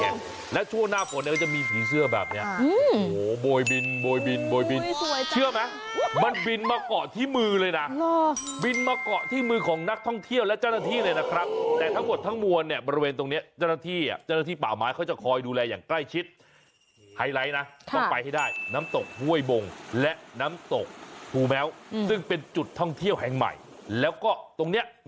มันจะมีจุดแหงและช่วงหน้าฝนก็จะมีสีเสื้อแบบนี้